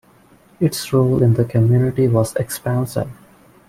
Its role in the community was expansive.